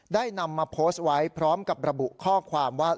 นำมาโพสต์ไว้พร้อมกับระบุข้อความว่า